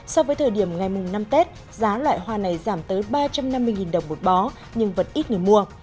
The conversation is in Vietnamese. so với thời điểm ngày mùng năm tết giá loại hoa này giảm tới ba trăm năm mươi đồng một bó nhưng vẫn ít người mua